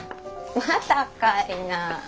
またかいな。